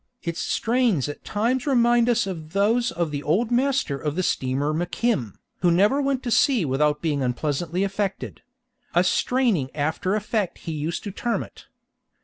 Its strains at times remind us of those of the old master of the steamer McKim, who never went to sea without being unpleasantly affected; a straining after effect he used to term it.